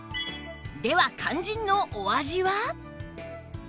では肝心のお味は？